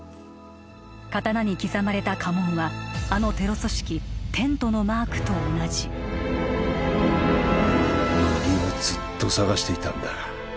刀に刻まれた家紋はあのテロ組織テントのマークと同じ乃木はずっと捜していたんだ